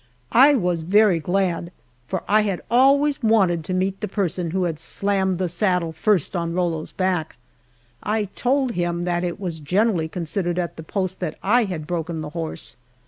I was very glad, for I had always wanted to meet the person who had slammed the saddle first on Rollo's back. I told him that it was generally considered at the post that I had broken the horse!